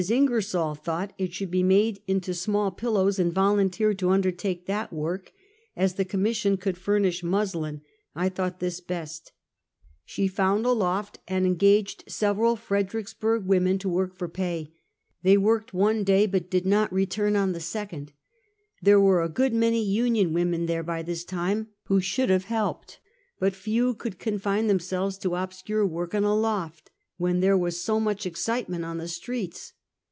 Inger sol thought it should be made into small pillows, and volunteered to undertake that work; as the Commission could furnish muslin, I thought this best. She found 320 Half a Century. a loft, and engaged several Fredericksburg women to work for pay. They worked one day, but did not re turn on the second. There were a good many Union women there by this time, who should have helped, but few could confine themselves to obscure work in a loft, when there was so much excitement on the streets.